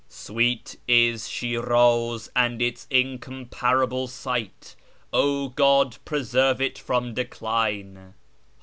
Sweet is Shiraz and its incomparable site ! O God, preserve it from decline